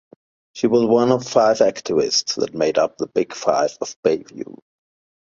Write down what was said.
She was one of five activists that made up the Big Five of Bayview.